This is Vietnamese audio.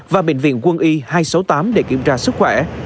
và bệnh viện quân y hai trăm sáu mươi tám để kiểm tra sức khỏe